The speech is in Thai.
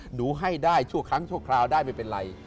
หนูให้ได้ชั่วครั้งชั่วคราวได้ไม่เป็นไร